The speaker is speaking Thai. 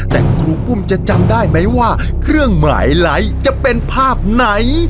แต่ครูปุ้มจะจำได้ไหมว่าเครื่องหมายไลค์จะเป็นภาพไหน